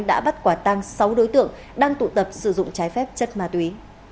đã bắt quả tăng sáu đối tượng đang tụ tập sử dụng trái phép chất ma túy